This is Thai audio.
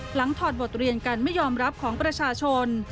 ถอดบทเรียนการไม่ยอมรับของประชาชน